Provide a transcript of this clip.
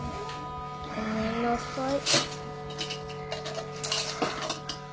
ごめんなさい。